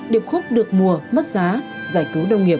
điệp khúc được mùa mất giá giải cứu nông nghiệp